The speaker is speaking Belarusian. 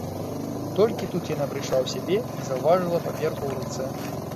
Толькі тут яна прыйшла ў сябе і заўважыла паперку ў руцэ.